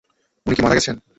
উনি কি মারা গেছেন?